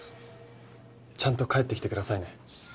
ちゃんと帰ってきてくださいね。